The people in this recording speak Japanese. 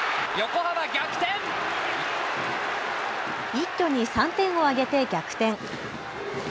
一挙に３点を挙げて逆転。